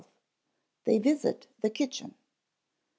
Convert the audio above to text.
_They Visit the Kitchen.